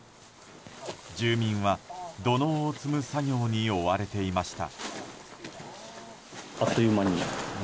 住民は、土のうを積む作業に追われていました。